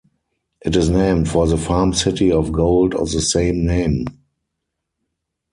It is named for the famed city of gold of the same name.